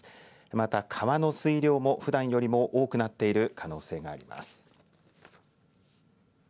また川の水量もふだんよりも多くなっている可能性があります。